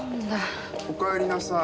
おかえりなさい。